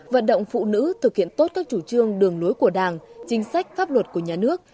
vận động phụ nữ thực hiện tốt các chủ trương đường lối của đảng chính sách pháp luật của nhà nước